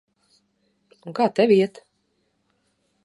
Un kā tev iet?